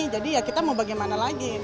jadi ya kita mau bagaimana lagi